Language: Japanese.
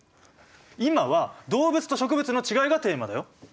今は動物と植物のちがいがテーマだよ。